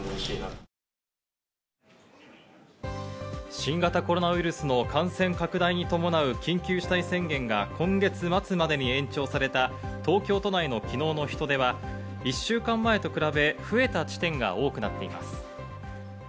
新型コロナウイルスの感染拡大に伴う緊急事態宣言が今月末までに延長された東京都内の昨日の人出は１週間前と比べ、増えた地点が多くなっています。